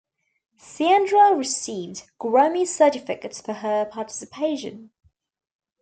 Sandra received Grammy certificates for her participation.